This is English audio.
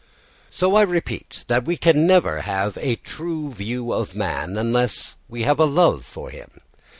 So I repeat we never can have a true view of man unless we have a love for him.